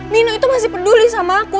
nino itu masih peduli sama aku